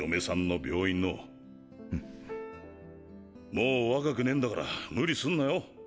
もう若くねぇんだから無理すんなよ？